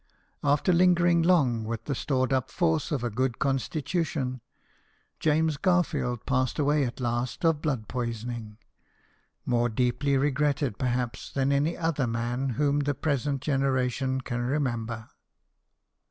After lingering long with the stored up force of a good constitution, Jamss Garfield passed away at last of blood poisoning, more deeply regretted perhaps than any other man whom the present generation can remember.